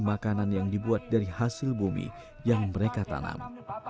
makanan yang dibuat dari hasil bumi yang mereka tanam